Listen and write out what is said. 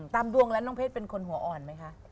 ตามดวงแล้วน้องเพชรเป็นคนหัวอ่อนไหมคะ